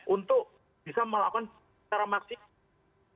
untuk bisa melakukan secara maksimal